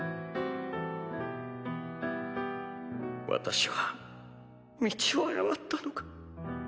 私は道を誤ったのか。